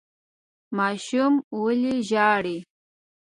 ماشوم ولې ژاړي ؟